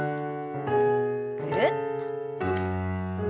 ぐるっと。